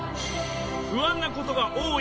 不安な事が多い